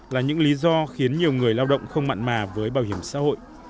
là những lý do khiến nhiều người lao động không mặn mà với bảo hiểm xã hội